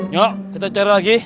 yuk kita cari lagi